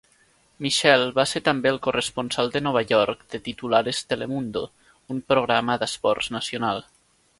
Michele va ser també el corresponsal de Nova York de "Titulares Telemundo", un programa d'esports nacional.